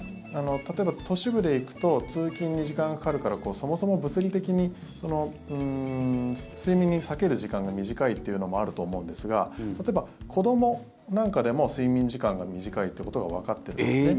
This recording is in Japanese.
例えば、都市部で行くと通勤に時間がかかるからそもそも物理的に睡眠に割ける時間が短いっていうのもあると思うんですが例えば、子どもなんかでも睡眠時間が短いっていうことがわかってるんですね。